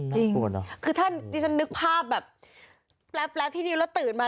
จริงคือถ้าที่ฉันนึกภาพแบบแป๊บที่นิ้วแล้วตื่นมา